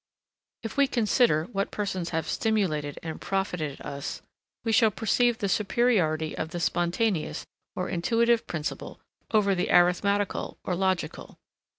If we consider what persons have stimulated and profited us, we shall perceive the superiority of the spontaneous or intuitive principle over the arithmetical or logical.